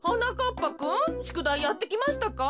ぱくんしゅくだいやってきましたか？